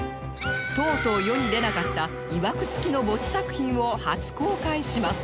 とうとう世に出なかったいわく付きのボツ作品を初公開します